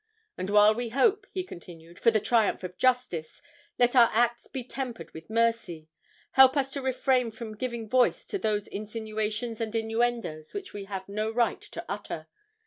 "And while we hope," he continued, "for the triumph of justice, let our acts be tempered with mercy. Help us to refrain from giving voice to those insinuations and innuendoes which we have no right to utter.